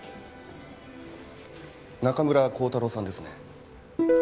中村光太郎さんですね？